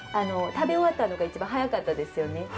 食べ終わったのが一番早かったですよね。